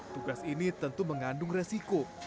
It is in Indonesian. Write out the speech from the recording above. tugas ini tentu mengandung resiko